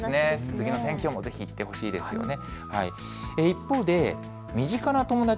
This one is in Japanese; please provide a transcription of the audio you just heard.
次の選挙もぜひ行ってほしいですね。